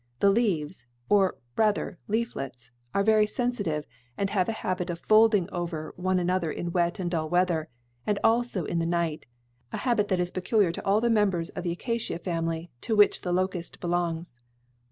The leaves or, rather, leaflets are very sensitive and have a habit of folding over one another in wet and dull weather, and also in the night a habit that is peculiar to all the members of the acacia family, to which the locust belongs."